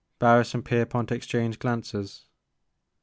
'' Barris and Pierpont exchanged glances.